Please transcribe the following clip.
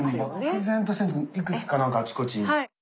漠然としてるんですけどいくつか何かあちこち。